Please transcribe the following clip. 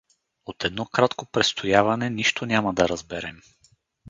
От едно кратко престояване нищо няма да разберем.